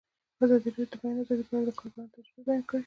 ازادي راډیو د د بیان آزادي په اړه د کارګرانو تجربې بیان کړي.